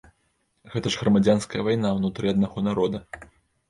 Гэта ж грамадзянская вайна ўнутры аднаго народа.